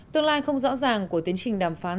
tương lai không rõ ràng của tiến trình đàm phán